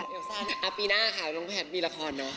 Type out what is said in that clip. เดี๋ยวปีหน้าค่ะน้องแพทย์มีละครเนอะ